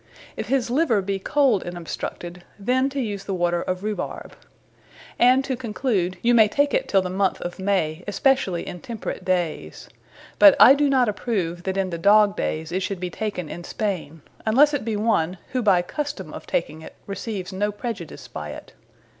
If his Liver be cold and obstructed, then to use the water of Rubarb. And to conclude, you may take it till the Moneth of May, especially in temperate dayes. But I doe not approve, that in the Dogdayes it should be taken in Spaine, unlesse it be one, who by custome of taking it, receives no prejudice by it.